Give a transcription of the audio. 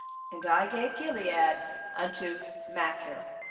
—15And I gave Gilead unto Machir.